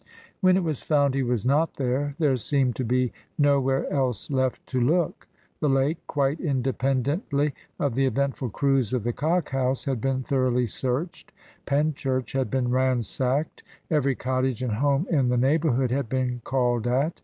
When it was found he was not there, there seemed to be nowhere else left to look. The lake (quite independently of the eventful cruise of the "Cock house") had been thoroughly searched; Penchurch had been ransacked; every cottage and home in the neighbourhood had been called at.